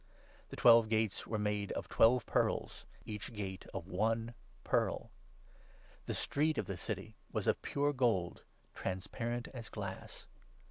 The twelve gates were made of twelve 21 pearls, each gate of one pearl. The street of the City was of pure gold, transparent as glass.